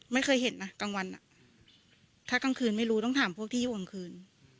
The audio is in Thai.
ไม่เคยเห็นนะกลางวันถ้ากลางคืนไม่รู้ต้องถามพวกที่อยู่กลางคืน